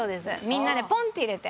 みんなでポンって入れて。